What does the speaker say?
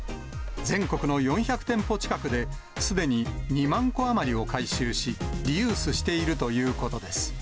全国の４００店舗近くですでに２万個余りを回収し、リユースしているということです。